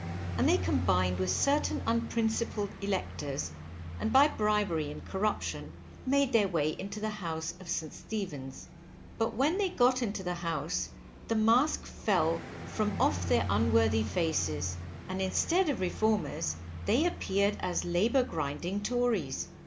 And they combined with certain unprincipled electors, and by bribery and corruption made their way into the house of St. Stephen's. But when they got into the house, the mask fell from off their unworthy faces, and instead of Reformers, they appeared as labour grinding Tories.